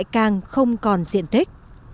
càng không còn diện thích